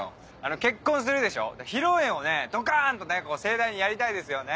結婚するでしょ披露宴をねドカンとね盛大にやりたいですよね。